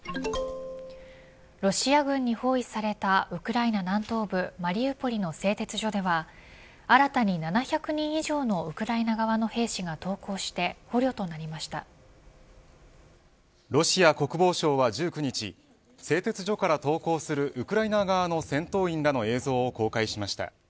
ロシア軍に包囲されたウクライナ南東部マリウポリの製鉄所では新たに７００人以上のウクライナ側の兵士がロシア国防省は１９日製鉄所から投降するウクライナ側の戦闘員らの映像を公開しました。